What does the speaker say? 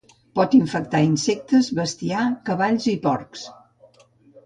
Pot infectar insectes, bestiar, cavalls i porcs.